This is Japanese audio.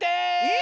え！